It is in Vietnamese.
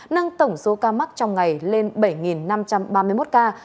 nâng tổng số ca mắc trong ngày lên bảy năm trăm ba mươi một ca